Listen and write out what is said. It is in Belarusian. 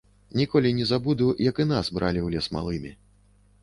Ніколі не забуду, як і нас бралі ў лес малымі.